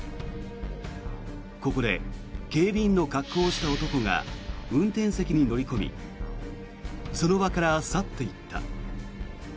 ここで警備員の格好をした男が運転席に乗り込みその場から去っていった。